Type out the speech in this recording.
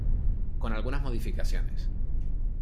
Con algunas modificaciones.